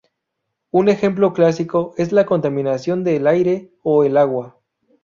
Un ejemplo clásico es la contaminación del aire o el agua.